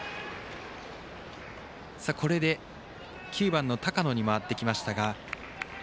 これで９番の高野に回ってきましたが。